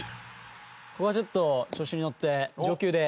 ここはちょっと調子に乗って上級で。